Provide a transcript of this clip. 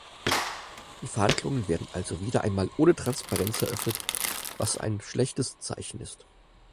Die Verhandlungen werden also wieder einmal ohne Transparenz eröffnet, was ein schlechtes Zeichen ist.